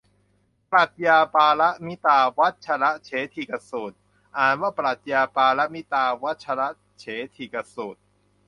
ปรัชญาปารมิตาวัชรเฉทิกสูตร อ่านว่าปรัดยาปาระมิตา วัดชะระเฉทิกะสูด